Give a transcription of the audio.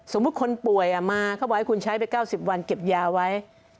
สมมุติคนป่วยมาเขาบอกให้คุณใช้ไว้๙๐วันเก็บยาไว้